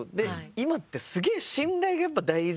今ってすげえ信頼がやっぱ大事。